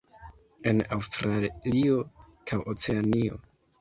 En Aŭstralio kaj Oceanio.